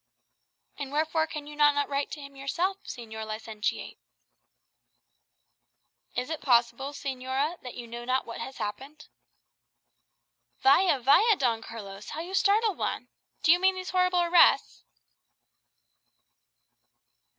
"And wherefore can you not write to him yourself, Señor Licentiate?" "Is it possible, señora, that you know not what has happened?" "Vaya, vaya, Don Carlos! how you startle one. Do you mean these horrible arrests?"